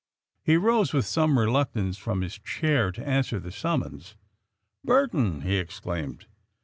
He rose with some reluctance from his chair to answer the summons. "Burton!" he exclaimed.